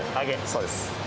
そうです。